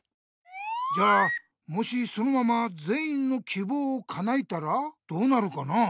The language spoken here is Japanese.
じゃあもしそのままぜん員のきぼうをかなえたらどうなるかな？